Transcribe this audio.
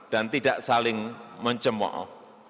dan tidak saling mencemoh